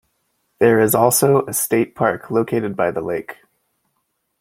There is also a state park located by the lake.